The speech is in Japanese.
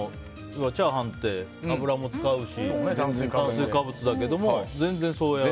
チャーハンって油も使うし炭水化物だけども全然。